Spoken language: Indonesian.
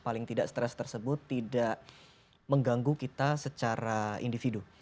paling tidak stres tersebut tidak mengganggu kita secara individu